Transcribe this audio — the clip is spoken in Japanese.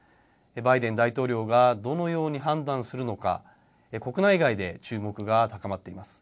バイデン大統領がどのように判断するのか国内外で注目が高まっています。